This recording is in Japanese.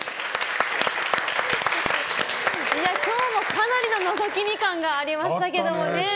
今日もかなりのぞき見感がありましたけど。